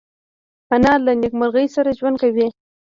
انا له نیکمرغۍ سره ژوند کوي